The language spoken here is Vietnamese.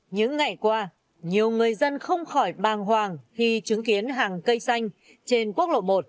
những ngày qua nhiều người dân không khỏi bàng hoàng khi chứng kiến hàng cây xanh trên quốc lộ một